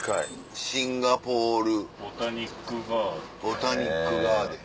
「ボタニックガーデン」。